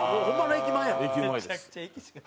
駅前です。